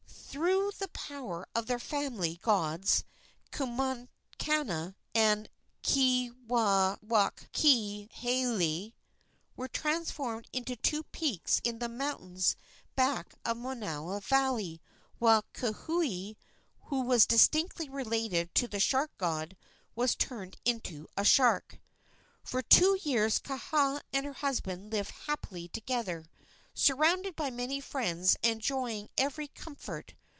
Through the power of their family gods Kumauna and Keawaawakiihelei were transformed into two peaks in the mountains back of Manoa Valley while Kauhi, who was distantly related to the shark god, was turned into a shark. For two years Kaha and her husband lived happily together, surrounded by many friends and enjoying every comfort.